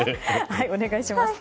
お願いします。